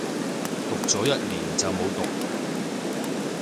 讀咗一年就冇讀